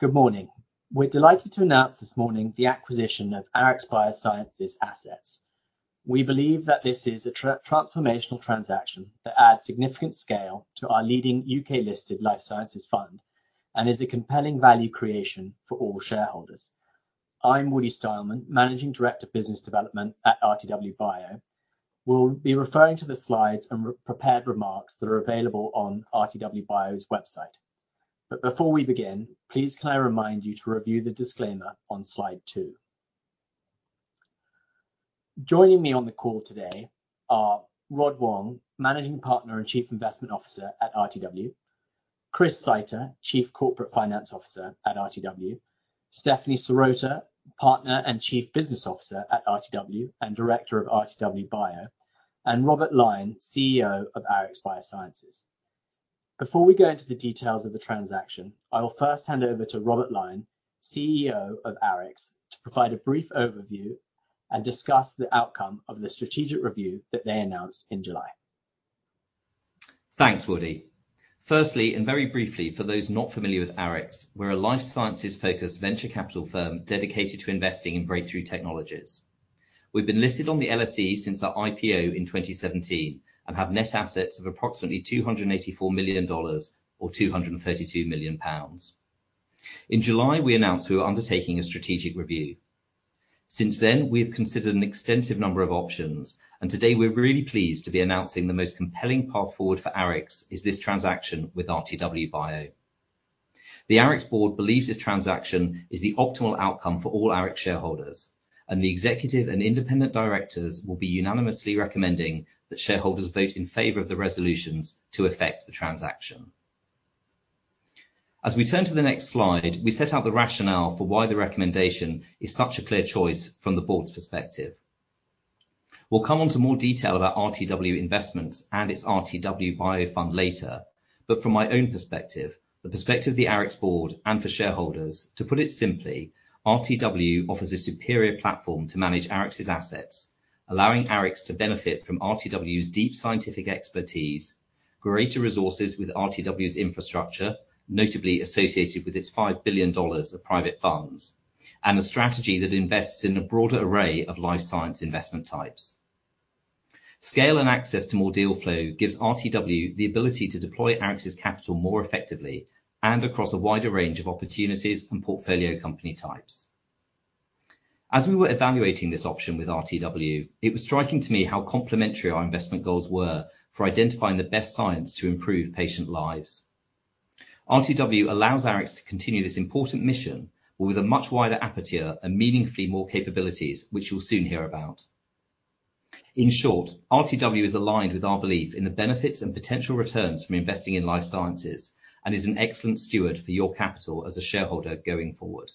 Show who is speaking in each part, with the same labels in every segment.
Speaker 1: Good morning. We're delighted to announce this morning the acquisition of Arix Bioscience's assets. We believe that this is a transformational transaction that adds significant scale to our leading UK-listed life sciences fund and is a compelling value creation for all shareholders. I'm Woody Stileman, Managing Director of Business Development at RTW Bio. We'll be referring to the slides and prepared remarks that are available on RTW Bio's website. Before we begin, please can I remind you to review the disclaimer on slide two. Joining me on the call today are Rod Wong, Managing Partner and Chief Investment Officer at RTW, Chris Seiter, Chief Corporate Finance Officer at RTW, Stephanie Sirota, Partner and Chief Business Officer at RTW and Director of RTW Bio, and Robert Lyne, CEO of Arix Bioscience. Before we go into the details of the transaction, I will first hand over to Robert Lyne, CEO of Arix, to provide a brief overview and discuss the outcome of the strategic review that they announced in July.
Speaker 2: Thanks, Woody. Firstly, and very briefly, for those not familiar with Arix, we're a life sciences-focused venture capital firm dedicated to investing in breakthrough technologies. We've been listed on the LSE since our IPO in 2017, and have net assets of approximately $284 million or 232 million pounds. In July, we announced we were undertaking a strategic review. Since then, we have considered an extensive number of options, and today we're really pleased to be announcing the most compelling path forward for Arix is this transaction with RTW Bio. The Arix board believes this transaction is the optimal outcome for all Arix shareholders, and the executive and independent directors will be unanimously recommending that shareholders vote in favor of the resolutions to effect the transaction. As we turn to the next slide, we set out the rationale for why the recommendation is such a clear choice from the board's perspective. We'll come on to more detail about RTW Investments and its RTW Bio fund later, but from my own perspective, the perspective of the Arix board and for shareholders, to put it simply, RTW offers a superior platform to manage Arix's assets, allowing Arix to benefit from RTW's deep scientific expertise, greater resources with RTW's infrastructure, notably associated with its $5 billion of private funds, and a strategy that invests in a broader array of life science investment types. Scale and access to more deal flow gives RTW the ability to deploy Arix's capital more effectively and across a wider range of opportunities and portfolio company types. As we were evaluating this option with RTW, it was striking to me how complementary our investment goals were for identifying the best science to improve patient lives. RTW allows Arix to continue this important mission with a much wider aperture and meaningfully more capabilities, which you'll soon hear about. In short, RTW is aligned with our belief in the benefits and potential returns from investing in life sciences and is an excellent steward for your capital as a shareholder going forward.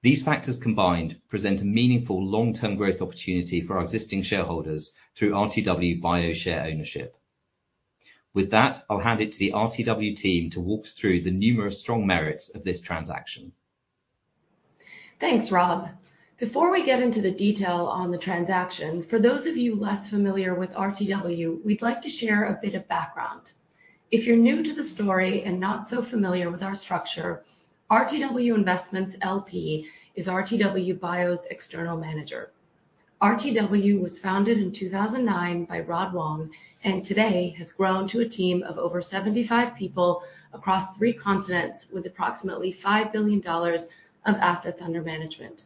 Speaker 2: These factors combined present a meaningful long-term growth opportunity for our existing shareholders through RTW Bio share ownership. With that, I'll hand it to the RTW team to walk us through the numerous strong merits of this transaction.
Speaker 3: Thanks, Rob. Before we get into the detail on the transaction, for those of you less familiar with RTW, we'd like to share a bit of background. If you're new to the story and not so familiar with our structure, RTW Investments, LP is RTW Bio's external manager. RTW was founded in 2009 by Rod Wong, and today has grown to a team of over 75 people across three continents, with approximately $5 billion of assets under management.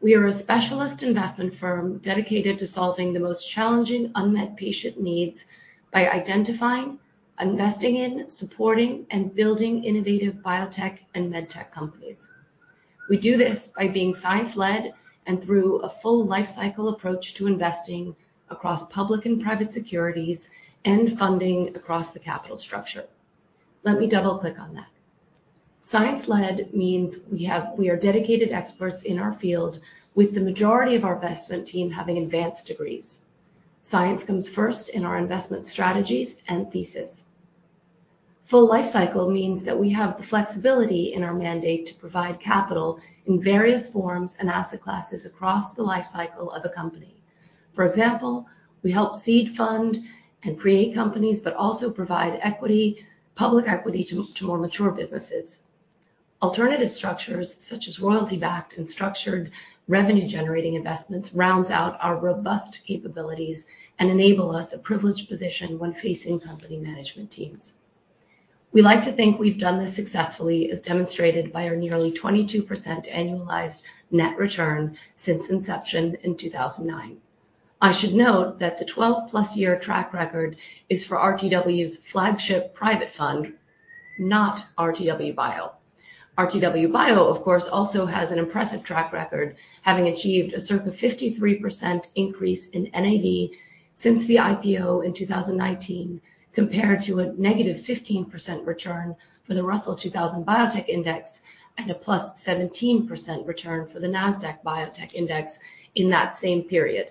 Speaker 3: We are a specialist investment firm dedicated to solving the most challenging unmet patient needs by identifying, investing in, supporting and building innovative biotech and medtech companies. We do this by being science-led and through a full life cycle approach to investing across public and private securities and funding across the capital structure. Let me double-click on that. Science-led means we are dedicated experts in our field, with the majority of our investment team having advanced degrees. Science comes first in our investment strategies and thesis. Full life cycle means that we have the flexibility in our mandate to provide capital in various forms and asset classes across the life cycle of a company. For example, we help seed fund and create companies, but also provide equity, public equity to more mature businesses. Alternative structures such as royalty-backed and structured revenue-generating investments, rounds out our robust capabilities and enable us a privileged position when facing company management teams. We like to think we've done this successfully, as demonstrated by our nearly 22% annualized net return since inception in 2009. I should note that the 12+ year track record is for RTW's flagship private fund, not RTW Bio. RTW Bio, of course, also has an impressive track record, having achieved a circa 53% increase in NAV since the IPO in 2019, compared to a -15% return for the Russell 2000 Biotechnology Index and a +17% return for the NASDAQ Biotechnology Index in that same period.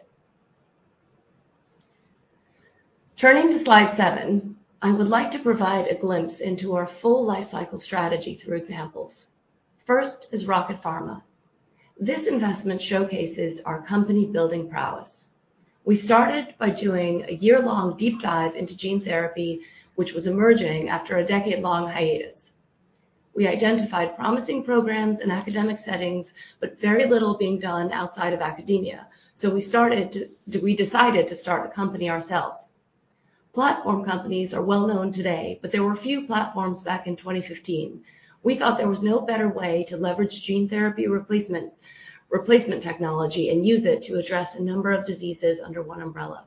Speaker 3: Turning to slide 7, I would like to provide a glimpse into our full life cycle strategy through examples. First is Rocket Pharma.... This investment showcases our company building prowess. We started by doing a year-long deep dive into gene therapy, which was emerging after a decade-long hiatus. We identified promising programs in academic settings, but very little being done outside of academia, so we started to-- we decided to start a company ourselves. Platform companies are well known today, but there were few platforms back in 2015. We thought there was no better way to leverage gene therapy replacement, replacement technology and use it to address a number of diseases under one umbrella.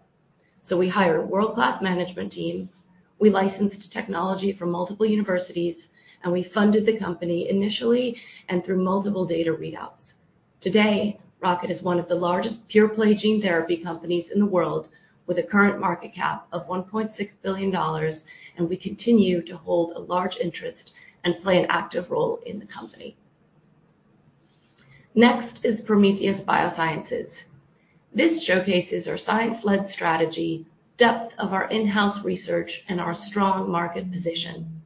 Speaker 3: So we hired a world-class management team, we licensed technology from multiple universities, and we funded the company initially and through multiple data readouts. Today, Rocket is one of the largest pure-play gene therapy companies in the world, with a current market cap of $1.6 billion, and we continue to hold a large interest and play an active role in the company. Next is Prometheus Biosciences. This showcases our science-led strategy, depth of our in-house research, and our strong market position.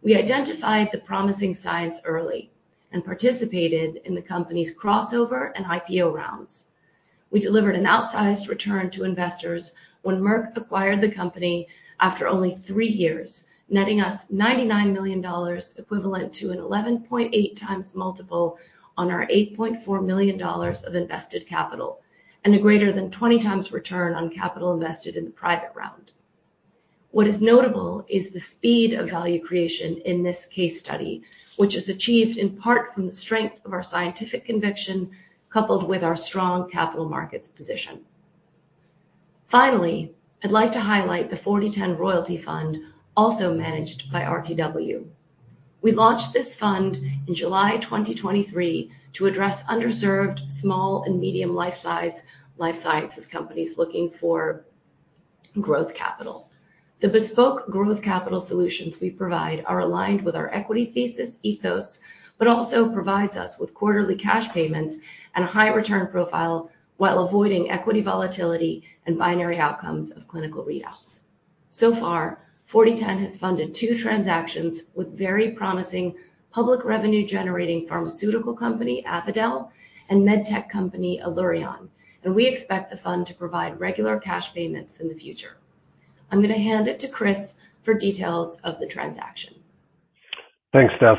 Speaker 3: We identified the promising science early and participated in the company's crossover and IPO rounds. We delivered an outsized return to investors when Merck acquired the company after only three years, netting us $99 million, equivalent to an 11.8x multiple on our $8.4 million of invested capital, and a greater than 20x return on capital invested in the private round. What is notable is the speed of value creation in this case study, which is achieved in part from the strength of our scientific conviction, coupled with our strong capital markets position. Finally, I'd like to highlight the 4010 Royalty Fund, also managed by RTW. We launched this fund in July 2023 to address underserved small and medium life sciences companies looking for growth capital. The bespoke growth capital solutions we provide are aligned with our equity thesis ethos, but also provides us with quarterly cash payments and a high return profile while avoiding equity volatility and binary outcomes of clinical readouts. So far, 4010 has funded two transactions with very promising public revenue-generating pharmaceutical company, Avadel, and medtech company, Allurion, and we expect the fund to provide regular cash payments in the future. I'm going to hand it to Chris for details of the transaction.
Speaker 4: Thanks, Steph.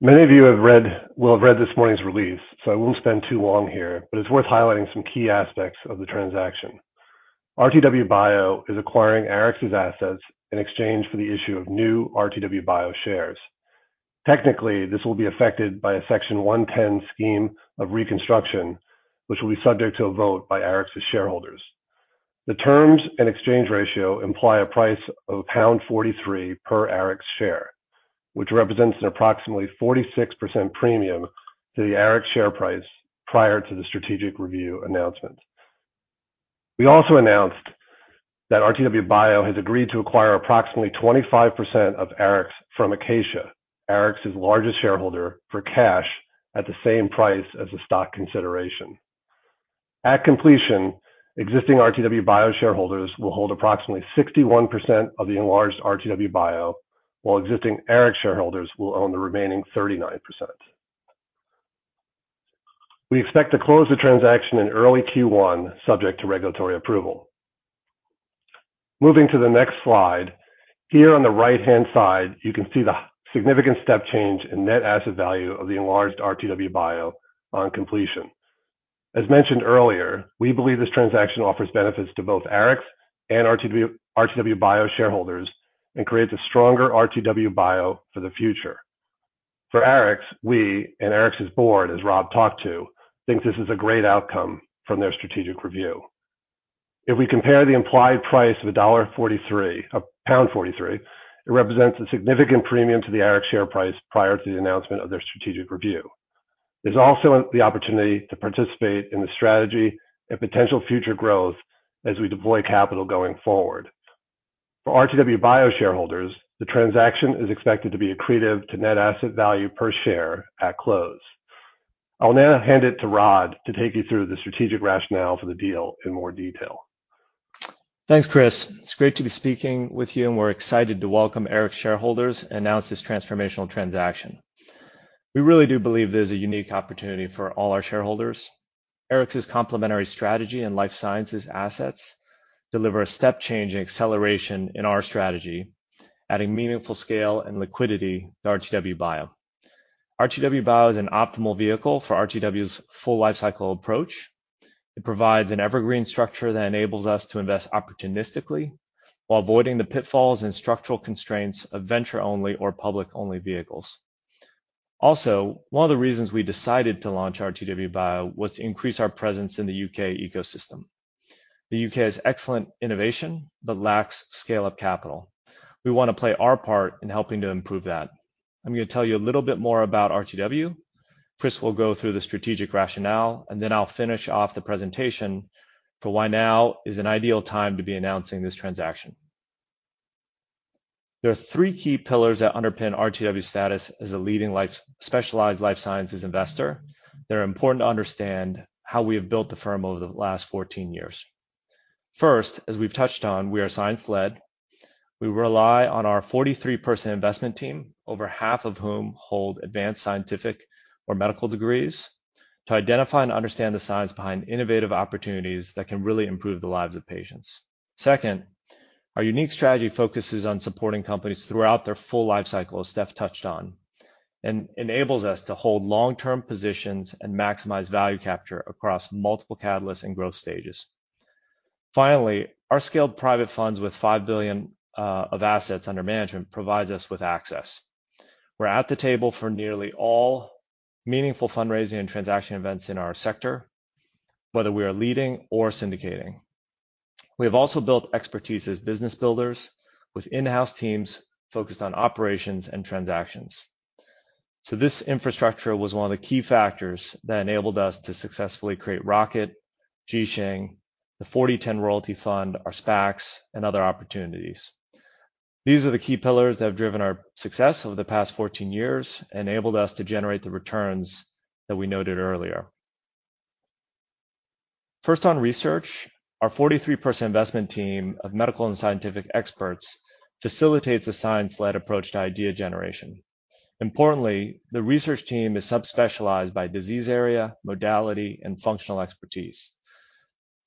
Speaker 4: Many of you will have read this morning's release, so I won't spend too long here, but it's worth highlighting some key aspects of the transaction. RTW Bio is acquiring Arix's assets in exchange for the issue of new RTW Bio shares. Technically, this will be effected by a Section 110 scheme of reconstruction, which will be subject to a vote by Arix's shareholders. The terms and exchange ratio imply a price of pound 43 per Arix share, which represents an approximately 46% premium to the Arix share price prior to the strategic review announcement. We also announced that RTW Bio has agreed to acquire approximately 25% of Arix from Acacia, Arix's largest shareholder, for cash at the same price as the stock consideration. At completion, existing RTW Bio shareholders will hold approximately 61% of the enlarged RTW Bio, while existing Arix shareholders will own the remaining 39%. We expect to close the transaction in early Q1, subject to regulatory approval. Moving to the next slide, here on the right-hand side, you can see the significant step change in net asset value of the enlarged RTW Bio on completion. As mentioned earlier, we believe this transaction offers benefits to both Arix and RTW, RTW Bio shareholders and creates a stronger RTW Bio for the future. For Arix, we and Arix's board, as Rob talked to, think this is a great outcome from their strategic review. If we compare the implied price of a $43, 43, it represents a significant premium to the Arix share price prior to the announcement of their strategic review. There's also the opportunity to participate in the strategy and potential future growth as we deploy capital going forward. For RTW Bio shareholders, the transaction is expected to be accretive to net asset value per share at close. I'll now hand it to Rod to take you through the strategic rationale for the deal in more detail.
Speaker 5: Thanks, Chris. It's great to be speaking with you, and we're excited to welcome Arix shareholders and announce this transformational transaction. We really do believe there's a unique opportunity for all our shareholders. Arix's complementary strategy and life sciences assets deliver a step change in acceleration in our strategy, adding meaningful scale and liquidity to RTW Bio. RTW Bio is an optimal vehicle for RTW's full lifecycle approach. It provides an evergreen structure that enables us to invest opportunistically while avoiding the pitfalls and structural constraints of venture-only or public-only vehicles. Also, one of the reasons we decided to launch RTW Bio was to increase our presence in the U.K. ecosystem. The U.K. has excellent innovation, but lacks scale-up capital. We want to play our part in helping to improve that. I'm going to tell you a little bit more about RTW. Chris will go through the strategic rationale, and then I'll finish off the presentation for why now is an ideal time to be announcing this transaction. There are three key pillars that underpin RTW's status as a leading life sciences-specialized investor. They're important to understand how we have built the firm over the last 14 years. First, as we've touched on, we are science-led. We rely on our 43-person investment team, over half of whom hold advanced scientific or medical degrees, to identify and understand the science behind innovative opportunities that can really improve the lives of patients. Second, our unique strategy focuses on supporting companies throughout their full lifecycle, as Steph touched on, and enables us to hold long-term positions and maximize value capture across multiple catalysts and growth stages. Finally, our scaled private funds with $5 billion of assets under management provide us with access. We're at the table for nearly all meaningful fundraising and transaction events in our sector, whether we are leading or syndicating. We have also built expertise as business builders with in-house teams focused on operations and transactions. So this infrastructure was one of the key factors that enabled us to successfully create Rocket, Ji Xing, the 4010 Royalty Fund, our SPACs, and other opportunities. These are the key pillars that have driven our success over the past 14 years and enabled us to generate the returns that we noted earlier. First on research, our 43-person investment team of medical and scientific experts facilitates a science-led approach to idea generation. Importantly, the research team is sub-specialized by disease area, modality, and functional expertise.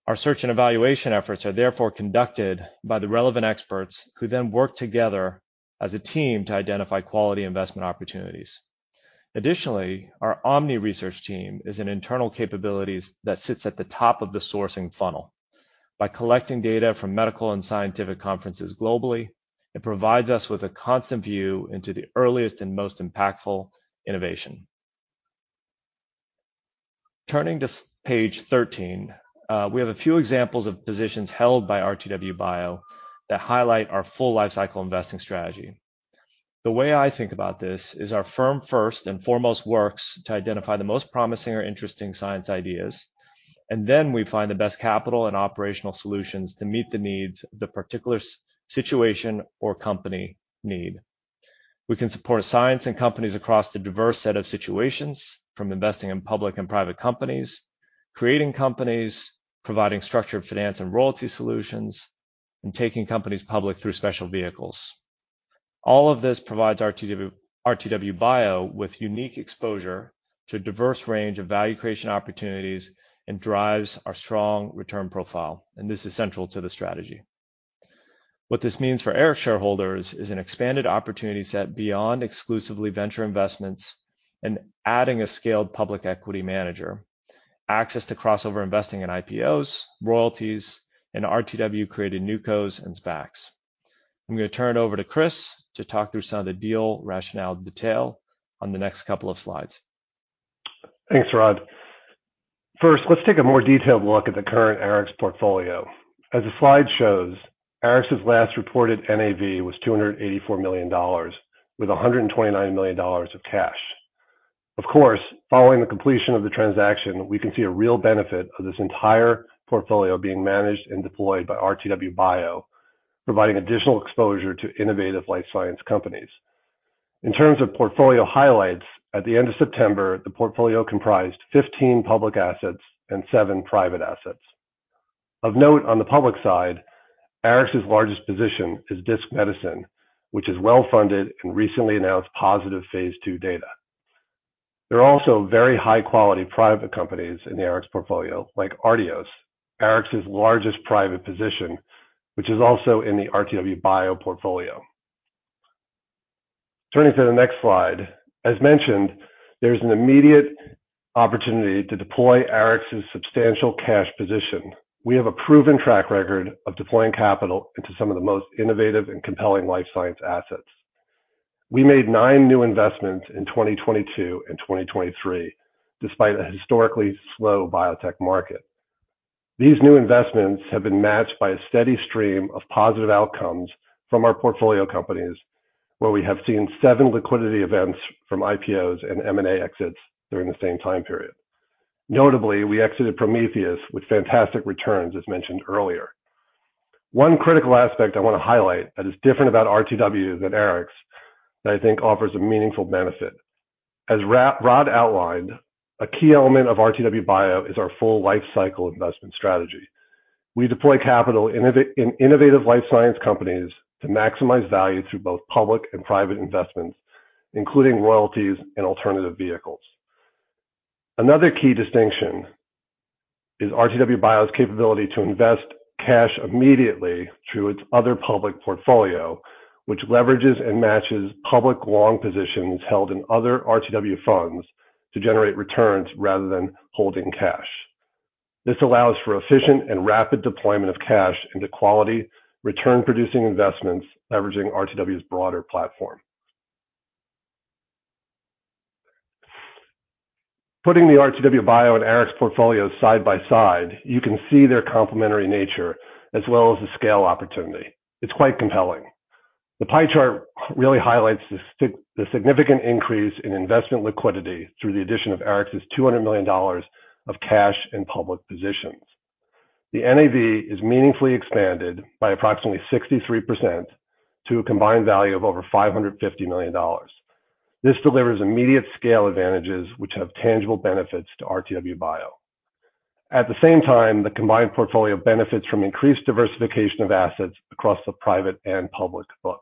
Speaker 5: Our search and evaluation efforts are therefore conducted by the relevant experts, who then work together as a team to identify quality investment opportunities. Additionally, our Omni research team is an internal capabilities that sits at the top of the sourcing funnel. By collecting data from medical and scientific conferences globally, it provides us with a constant view into the earliest and most impactful innovation. Turning to page thirteen, we have a few examples of positions held by RTW Bio that highlight our full lifecycle investing strategy. The way I think about this is our firm first and foremost works to identify the most promising or interesting science ideas, and then we find the best capital and operational solutions to meet the needs of the particular situation or company need. We can support science and companies across the diverse set of situations, from investing in public and private companies, creating companies, providing structured finance and royalty solutions, and taking companies public through special vehicles. All of this provides RTW, RTW Bio with unique exposure to a diverse range of value creation opportunities and drives our strong return profile, and this is central to the strategy. What this means for Arix shareholders is an expanded opportunity set beyond exclusively venture investments and adding a scaled public equity manager, access to crossover investing in IPOs, royalties, and RTW-created newcos and SPACs. I'm going to turn it over to Chris to talk through some of the deal rationale detail on the next couple of slides.
Speaker 4: Thanks, Rod. First, let's take a more detailed look at the current Arix portfolio. As the slide shows, Arix's last reported NAV was GBP 284 million, with $129 million of cash. Of course, following the completion of the transaction, we can see a real benefit of this entire portfolio being managed and deployed by RTW Bio, providing additional exposure to innovative life science companies. In terms of portfolio highlights, at the end of September, the portfolio comprised 15 public assets and seven private assets. Of note, on the public side, Arix's largest position is Disc Medicine, which is well funded and recently announced positive phase II data. There are also very high-quality private companies in the Arix portfolio, like Artios, Arix's largest private position, which is also in the RTW Bio portfolio. Turning to the next slide, as mentioned, there's an immediate opportunity to deploy Arix's substantial cash position. We have a proven track record of deploying capital into some of the most innovative and compelling life science assets. We made nine new investments in 2022 and 2023, despite a historically slow biotech market. These new investments have been matched by a steady stream of positive outcomes from our portfolio companies, where we have seen seven liquidity events from IPOs and M&A exits during the same time period. Notably, we exited Prometheus with fantastic returns, as mentioned earlier. One critical aspect I want to highlight that is different about RTW than Arix, that I think offers a meaningful benefit. As Rod outlined, a key element of RTW Bio is our full lifecycle investment strategy. We deploy capital in innovative life science companies to maximize value through both public and private investments, including royalties and alternative vehicles. Another key distinction is RTW Bio's capability to invest cash immediately through its other public portfolio, which leverages and matches public long positions held in other RTW funds to generate returns rather than holding cash. This allows for efficient and rapid deployment of cash into quality, return-producing investments, leveraging RTW's broader platform. Putting the RTW Bio and Arix portfolios side by side, you can see their complementary nature as well as the scale opportunity. It's quite compelling. The pie chart really highlights the significant increase in investment liquidity through the addition of Arix's $200 million of cash and public positions. The NAV is meaningfully expanded by approximately 63% to a combined value of over $550 million. This delivers immediate scale advantages, which have tangible benefits to RTW Bio. At the same time, the combined portfolio benefits from increased diversification of assets across the private and public book.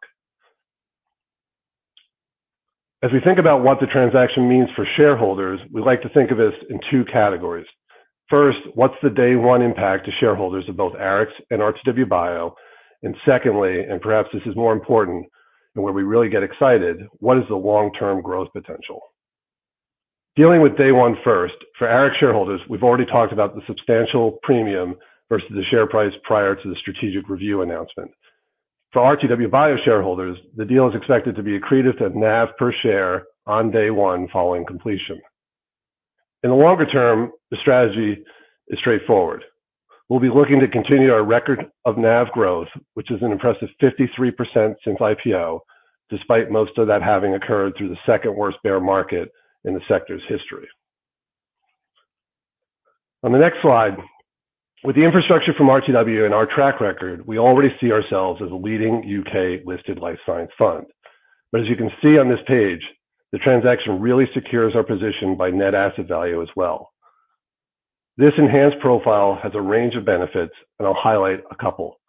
Speaker 4: As we think about what the transaction means for shareholders, we like to think of this in two categories. First, what's the day one impact to shareholders of both Arix and RTW Bio? And secondly, and perhaps this is more important and where we really get excited, what is the long-term growth potential? Dealing with day one first, for Arix shareholders, we've already talked about the substantial premium versus the share price prior to the strategic review announcement. For RTW Bio shareholders, the deal is expected to be accretive to NAV per share on day one following completion. In the longer term, the strategy is straightforward. We'll be looking to continue our record of NAV growth, which is an impressive 53% since IPO, despite most of that having occurred through the second worst bear market in the sector's history. On the next slide, with the infrastructure from RTW and our track record, we already see ourselves as a leading UK-listed life science fund. But as you can see on this page, the transaction really secures our position by net asset value as well. This enhanced profile has a range of benefits, and I'll highlight a couple.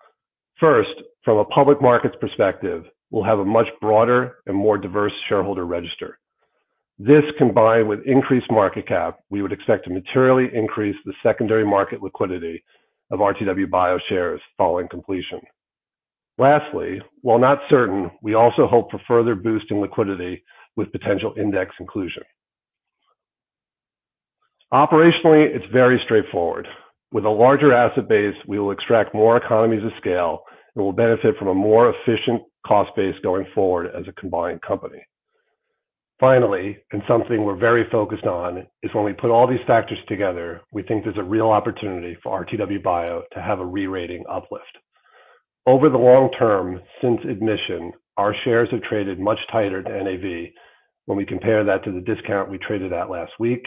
Speaker 4: First, from a public markets perspective, we'll have a much broader and more diverse shareholder register. This, combined with increased market cap, we would expect to materially increase the secondary market liquidity of RTW Bio shares following completion. Lastly, while not certain, we also hope for further boost in liquidity with potential index inclusion. Operationally, it's very straightforward. With a larger asset base, we will extract more economies of scale and will benefit from a more efficient cost base going forward as a combined company. Finally, and something we're very focused on, is when we put all these factors together, we think there's a real opportunity for RTW Bio to have a re-rating uplift. Over the long term, since admission, our shares have traded much tighter to NAV when we compare that to the discount we traded at last week,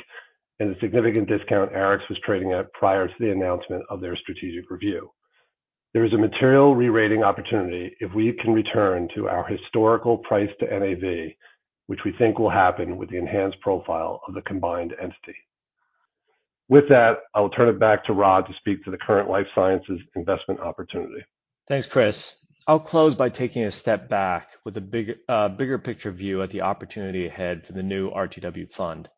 Speaker 4: and the significant discount Arix was trading at prior to the announcement of their strategic review. There is a material re-rating opportunity if we can return to our historical price to NAV, which we think will happen with the enhanced profile of the combined entity. With that, I'll turn it back to Rod to speak to the current life sciences investment opportunity.
Speaker 5: Thanks, Chris. I'll close by taking a step back with a big, bigger picture view at the opportunity ahead for the new RTW fund.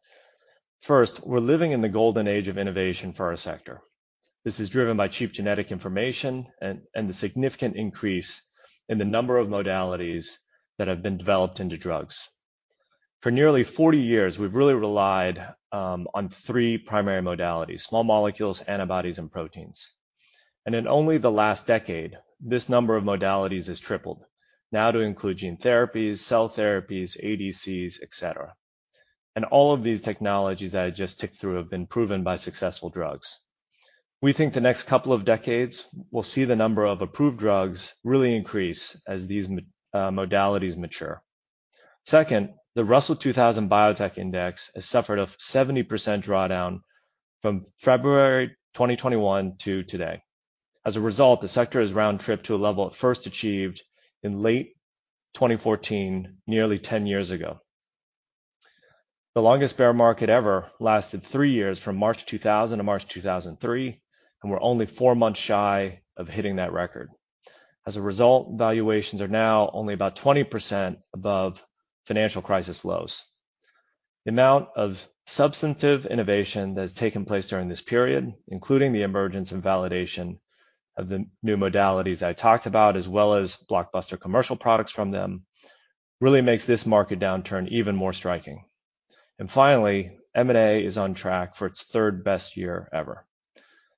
Speaker 5: First, we're living in the golden age of innovation for our sector. This is driven by cheap genetic information and the significant increase in the number of modalities that have been developed into drugs. For nearly 40 years, we've really relied on three primary modalities: small molecules, antibodies, and proteins. And in only the last decade, this number of modalities has tripled, now to include gene therapies, cell therapies, ADCs, et cetera. And all of these technologies that I just ticked through have been proven by successful drugs. We think the next couple of decades, we'll see the number of approved drugs really increase as these modalities mature. Second, the Russell 2000 Biotechnology Index has suffered a 70% drawdown from February 2021 to today. As a result, the sector has round trip to a level it first achieved in late 2014, nearly 10 years ago. The longest bear market ever lasted three years, from March 2000 to March 2003, and we're only four months shy of hitting that record. As a result, valuations are now only about 20% above financial crisis lows. The amount of substantive innovation that has taken place during this period, including the emergence and validation of the new modalities I talked about, as well as blockbuster commercial products from them, really makes this market downturn even more striking. And finally, M&A is on track for its third best year ever.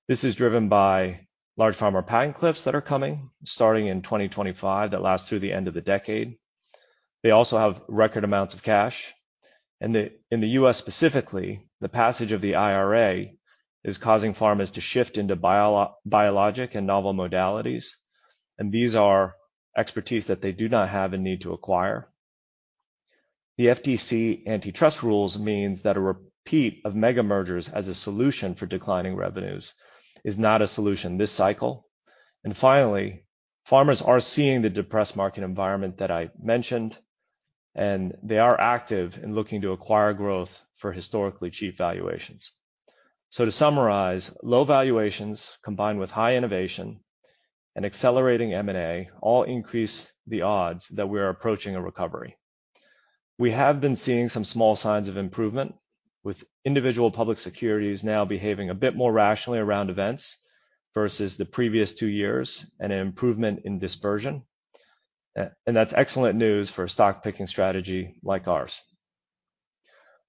Speaker 5: This is driven by large pharma patent cliffs that are coming, starting in 2025, that last through the end of the decade. They also have record amounts of cash, and the... In the US specifically, the passage of the IRA is causing pharmas to shift into biologic and novel modalities, and these are expertise that they do not have and need to acquire. The FTC antitrust rules means that a repeat of mega mergers as a solution for declining revenues is not a solution this cycle. And finally, pharmas are seeing the depressed market environment that I mentioned, and they are active in looking to acquire growth for historically cheap valuations. So to summarize, low valuations, combined with high innovation and accelerating M&A, all increase the odds that we are approaching a recovery. We have been seeing some small signs of improvement, with individual public securities now behaving a bit more rationally around events versus the previous two years and an improvement in dispersion. And that's excellent news for a stock-picking strategy like ours.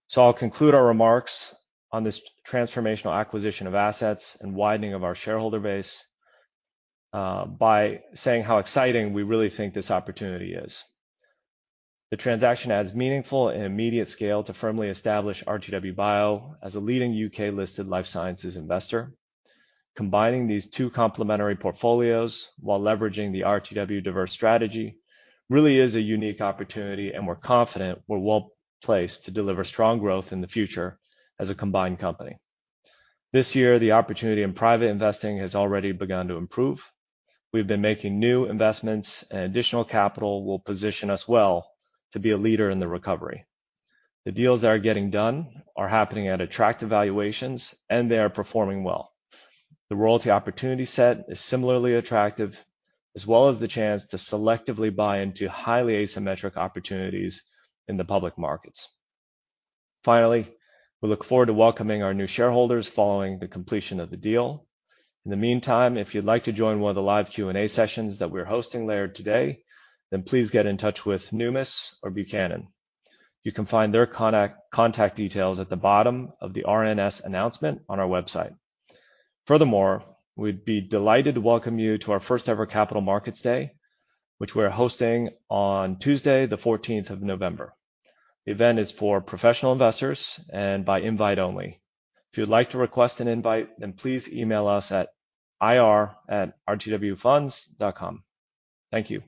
Speaker 5: So I'll conclude our remarks on this transformational acquisition of assets and widening of our shareholder base, by saying how exciting we really think this opportunity is. The transaction adds meaningful and immediate scale to firmly establish RTW Bio as a leading UK-listed life sciences investor. Combining these two complementary portfolios while leveraging the RTW diverse strategy, really is a unique opportunity, and we're confident we're well-placed to deliver strong growth in the future as a combined company. This year, the opportunity in private investing has already begun to improve. We've been making new investments, and additional capital will position us well to be a leader in the recovery. The deals that are getting done are happening at attractive valuations, and they are performing well. The royalty opportunity set is similarly attractive, as well as the chance to selectively buy into highly asymmetric opportunities in the public markets. Finally, we look forward to welcoming our new shareholders following the completion of the deal. In the meantime, if you'd like to join one of the live Q&A sessions that we're hosting later today, then please get in touch with Numis or Buchanan. You can find their contact details at the bottom of the RNS announcement on our website. Furthermore, we'd be delighted to welcome you to our first-ever Capital Markets Day, which we're hosting on Tuesday, the fourteenth of November. The event is for professional investors and by invite only. If you'd like to request an invite, then please email us at ir@rtwfunds.com. Thank you.